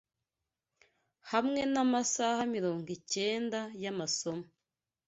Hamwe namasaha mirongo icyenda yamasomo